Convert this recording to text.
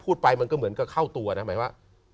พูดไปมันก็เหมือนเข้าตัวนะ